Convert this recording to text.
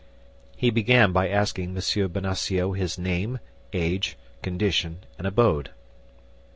He began by asking M. Bonacieux his name, age, condition, and abode.